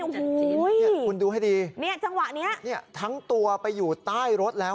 คุณดูให้ดีทั้งตัวไปอยู่ใต้รถแล้ว